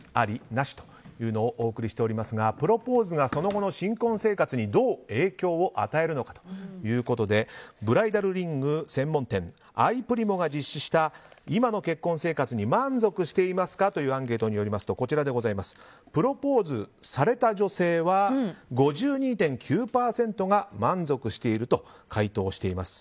なし？というのをお送りしていますがプロポーズがその後の新婚生活にどう影響を与えるのかということでブライダルリング専門店アイプリモが実施した今の結婚生活に満足していますかというアンケートによりますとプロポーズされた女性は５２．９％が満足していると回答しています。